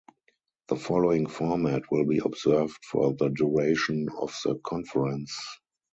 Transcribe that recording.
The following format will be observed for the duration of the conference.